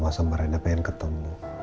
masa marenda pengen ketemu